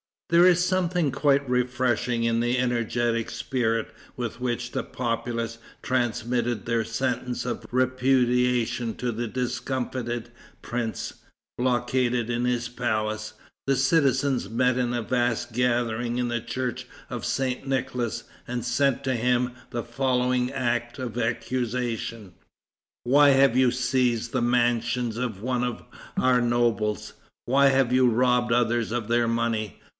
There is something quite refreshing in the energetic spirit with which the populace transmitted their sentence of repudiation to the discomfited prince, blockaded in his palace. The citizens met in a vast gathering in the church of St. Nicholas, and sent to him the following act of accusation: "Why have you seized the mansion of one of our nobles? Why have you robbed others of their money?